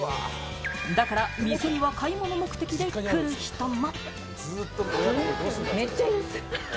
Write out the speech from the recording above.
だから店には買い物目的で来る人も。